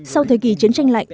sau thời kỳ chiến tranh lạnh